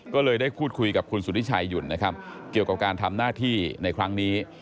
ก็เลยได้พูดคุยกับคุณสุธิชัยหยุ่นนะครับเกี่ยวกับการทำหน้าที่ในครั้งนี้